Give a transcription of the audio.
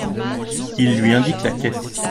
Il lui indique la caisse.